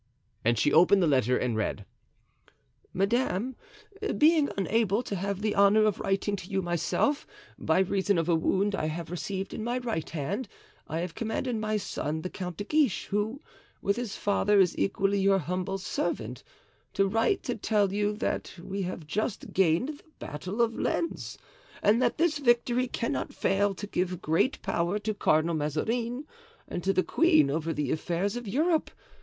And she opened the letter and read: "Madame,—Being unable to have the honor of writing to you myself, by reason of a wound I have received in my right hand, I have commanded my son, the Count de Guiche, who, with his father, is equally your humble servant, to write to tell you that we have just gained the battle of Lens, and that this victory cannot fail to give great power to Cardinal Mazarin and to the queen over the affairs of Europe.